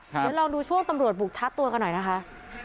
เดี๋ยวลองดูช่วงตำรวจบุกชาร์จตัวกันหน่อยนะคะ